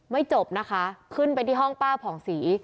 จบนะคะขึ้นไปที่ห้องป้าผ่องศรี